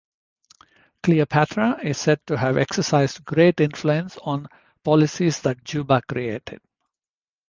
Cleopatra is said to have exercised great influence on policies that Juba created.